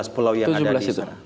tujuh belas pulau yang ada di sana